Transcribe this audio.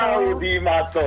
jauh di mata